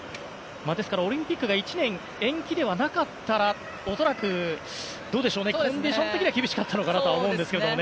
ですからオリンピックが１年延期ではなかったら恐らく、コンディション的には厳しかったんじゃないですかね。